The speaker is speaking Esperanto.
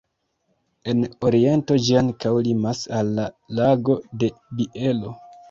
En oriento ĝi ankaŭ limas al la Lago de Bielo.